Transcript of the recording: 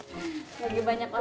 lagi banyak orderan ya mak